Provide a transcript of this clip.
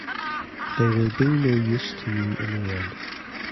They will be no use to you in the end.